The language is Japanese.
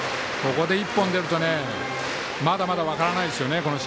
ここで１本出るとまだまだ分からないですよね。